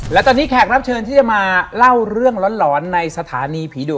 และตอนนี้แขกรับเชิญที่จะมาเล่าเรื่องหลอนในสถานีผีดุ